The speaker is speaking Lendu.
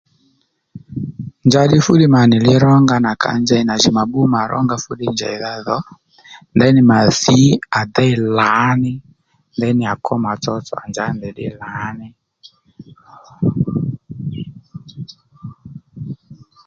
Njàddí fúddiy mà nì li rónga nà ka njey nì ddiy ma bbú mà rónga fúddiy njèydha dhò ndaní ma thǐ à déy lǎní ndaní à kwo mà tsotso à njǎ ndèy ddí lǎní